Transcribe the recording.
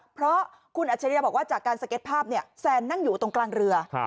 เพราะคุณอัจฉริยะบอกว่าจากการสเก็ตภาพเนี่ยแซนนั่งอยู่ตรงกลางเรือ